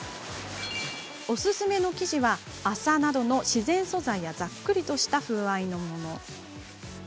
おすすめの生地は麻などの自然素材やざっくりとした風合いのもの。